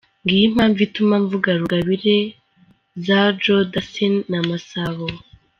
Ngiyo impamvu ituma mvuga rugabire za Joe Dassin na Masabo.